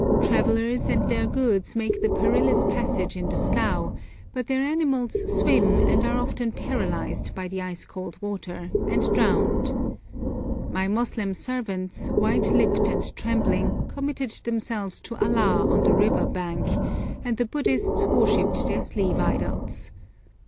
Travellers and their goods make the perilous passage in the scow, but their animals swim, and are often paralysed by the ice cold water and drowned. My Moslem servants, white lipped and trembling, committed themselves to Allah on the river bank, and the Buddhists worshipped their sleeve idols.